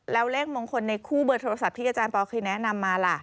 แล้วเลขมงคลในคู่เบอร์โทรศัพท์ที่อาจารย์ปอลเคยแนะนำมาล่ะ